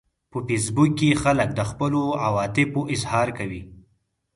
په فېسبوک کې خلک د خپلو عواطفو اظهار کوي